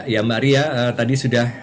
ya mbak ria tadi sudah